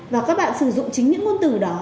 và các bạn sử dụng chính những ngôn từ đó